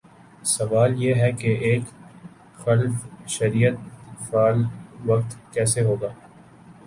سوال یہ ہے کہ ایک خلاف شریعت فعل واقع کیسے ہوگا؟